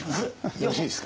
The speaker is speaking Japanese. よろしいですか？